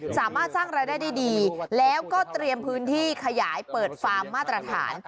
สามารถสร้างรายได้ได้ดีแล้วก็เตรียมพื้นที่ขยายเปิดฟาร์มมาตรฐาน